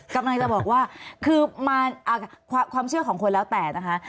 กำลังจะบอกว่าคือความเชื่อของคนแล้วแต่นะคะ